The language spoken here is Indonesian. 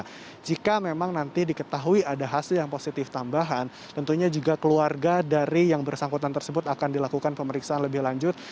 nah jika memang nanti diketahui ada hasil yang positif tambahan tentunya juga keluarga dari yang bersangkutan tersebut akan dilakukan pemeriksaan lebih lanjut